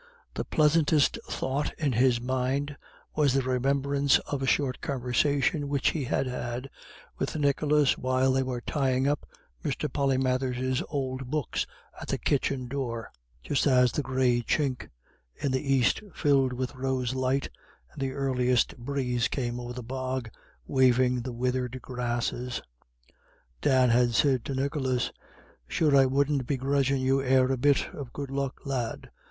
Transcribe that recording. The pleasantest thought in his mind was the remembrance of a short conversation which he had had with Nicholas while they were tying up Mr. Polymathers's old books at the kitchen door just as the grey chink in the east filled with rose light, and the earliest breeze came over the bog waving the withered grasses. Dan had said to Nicholas: "Sure I wouldn't be grudgin' you e'er a bit of good luck, lad."